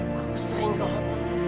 aku sering ke hotel